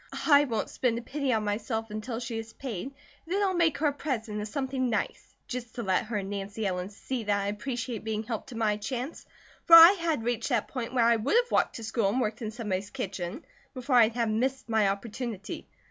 I won't spend a penny on myself until she is paid, and then I'll make her a present of something nice, just to let her and Nancy Ellen see that I appreciate being helped to my chance, for I had reached that point where I would have walked to school and worked in somebody's kitchen, before I'd have missed my opportunity.